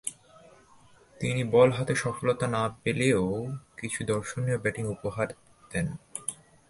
তিনি বল হাতে সফলতা না পেলেও কিছু দর্শনীয় ব্যাটিং উপহার দেন।